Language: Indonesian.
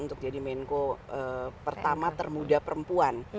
untuk jadi menko pertama termuda perempuan